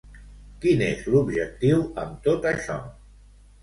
Quin és l'objectiu amb tot això?